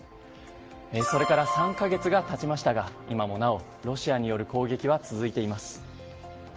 それから３か月が経ちましたが今もなお、ロシアによる攻撃は続いています。